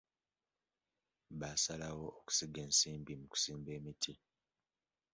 Baasalawo okusiga ensimbi mu kusimba emiti.